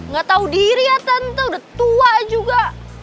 enggak tahu diri ya tante udah tua juga